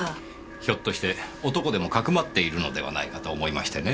ひょっとして男でも匿っているのではないかと思いましてね。